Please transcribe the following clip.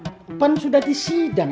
itu pun sudah disidang